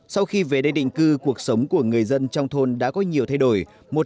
sau khi về đây định cư cuộc sống của người dân trong thôn đã có nhiều thay đổi